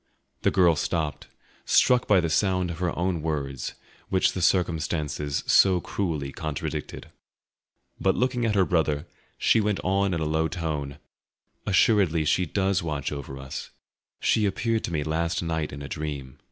The girl stopped, struck by the sound of her own words, which the circumstances so cruelly contradicted. But looking at her brother, she went on in a low tone: "Assuredly she does watch over us. She appeared to me last night in a dream.